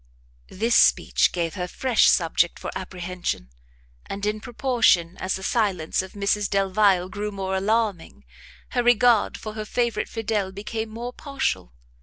This speech gave her fresh subject for apprehension; and in proportion as the silence of Mrs Delvile grew more alarming, her regard for her favourite Fidel became more partial.